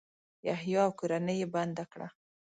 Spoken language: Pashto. یحیی او کورنۍ یې بنده کړه.